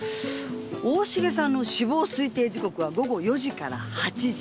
大重さんの死亡推定時刻は午後４時から８時。